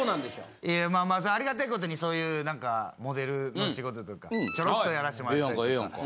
ありがたいことにそういう何かモデルの仕事とかちょろっとやらしてもらったりとか。